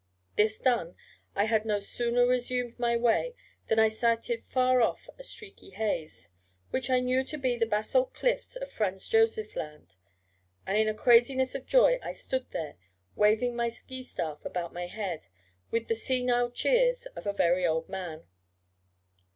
This done, I had no sooner resumed my way than I sighted far off a streaky haze, which I knew to be the basalt cliffs of Franz Josef Land; and in a craziness of joy I stood there, waving my ski staff about my head, with the senile cheers of a very old man.